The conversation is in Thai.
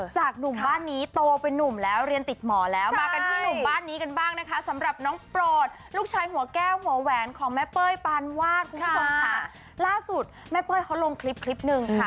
หนุ่มบ้านนี้โตเป็นนุ่มแล้วเรียนติดหมอแล้วมากันที่หนุ่มบ้านนี้กันบ้างนะคะสำหรับน้องโปรดลูกชายหัวแก้วหัวแหวนของแม่เป้ยปานวาดคุณผู้ชมค่ะล่าสุดแม่เป้ยเขาลงคลิปคลิปหนึ่งค่ะ